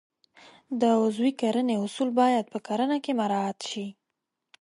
د عضوي کرنې اصول باید په کرنه کې مراعات شي.